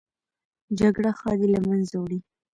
جګړه ښادي له منځه وړي